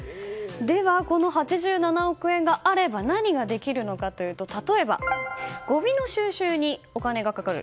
では、この８７億円があれば何ができるのかというと例えばごみの収集にお金がかかる。